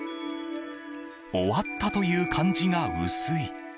終わったという感じが薄い。